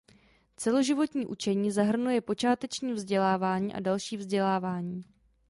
Celoživotní učení zahrnuje počáteční vzdělávání a další vzdělávání.